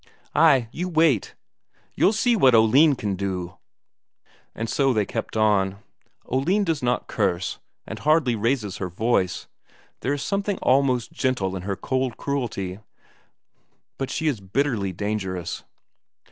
"Ay, you wait. You'll see what Oline can do." And so they keep on. Oline does not curse, and hardly raises her voice; there is something almost gentle in her cold cruelty, but she is bitterly dangerous.